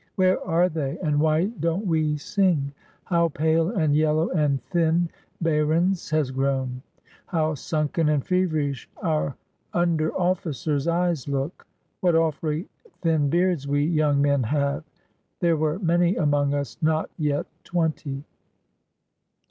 Where are they, and why don't we sing? How pale and yellow and thin Behrens has grown! How sunken and feverish our under officer's eyes look! What awfully thin beards we young men have!" There were many among us not yet twenty.